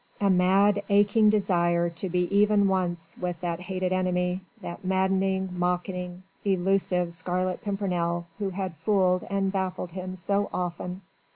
a mad aching desire to be even once with that hated enemy, that maddening, mocking, elusive Scarlet Pimpernel who had fooled and baffled him so often?